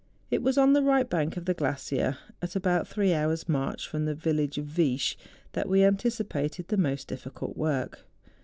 It was on the right bank of the glacier, at about three hours' march from the village of Viesch, that we anticipated the most difficult work.